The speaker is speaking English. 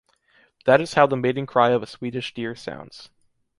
That is how the mating cry of a Swedish deer sounds.